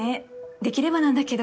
できればなんだけど。